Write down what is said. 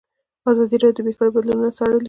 ازادي راډیو د بیکاري بدلونونه څارلي.